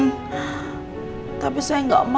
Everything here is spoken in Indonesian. tapi sebenarnya den rizky gak pernah nelfon saya